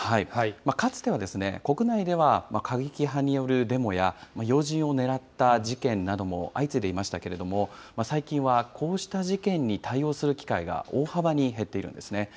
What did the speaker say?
かつては、国内では過激派によるデモや、要人を狙った事件なども相次いでいましたけれども、最近はこうした事件に対応する機会が大幅に減っているんですね。